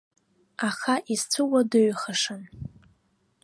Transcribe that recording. Аха исцәуадаҩхашан.